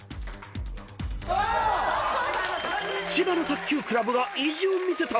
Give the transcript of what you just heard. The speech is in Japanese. ［千葉の卓球クラブが意地を見せた］